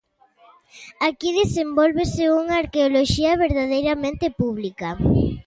Aquí desenvólvese unha arqueoloxía verdadeiramente pública.